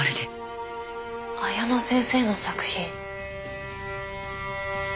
彩乃先生の作品。